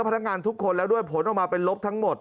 พนักงานทุกคนแล้วด้วยผลออกมาเป็นลบทั้งหมด